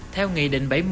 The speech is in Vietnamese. theo nghị định bảy mươi